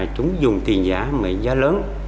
chúng dùng tiền giả mệnh giá lớn